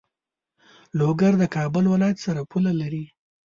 لوګر د کابل ولایت سره پوله لری.